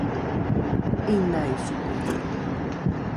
’inai sokoli